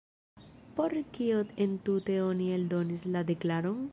Por kio entute oni eldonis la deklaron?